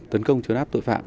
tấn công chứa nắp tội phạm